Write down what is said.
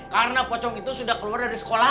karena pocong itu sudah keluar dari sekolahan